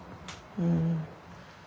うん。